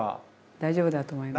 大丈夫だと思います。